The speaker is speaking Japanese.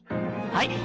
はい！